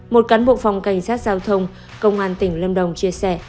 một cán bộ phòng cảnh sát giao thông công an tỉnh lâm đồng chia sẻ